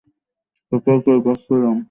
সেটাই টের পাচ্ছিলাম।